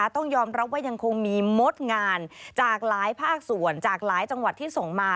ต้องยอมรับว่ายังคงมีมดงานจากหลายภาคส่วนจากหลายจังหวัดที่ส่งมา